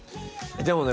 でもね